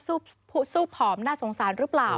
สู้ผอมน่าสงสารหรือเปล่า